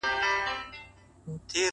• هسي نه چي په پردۍ سجده بد نام سو ,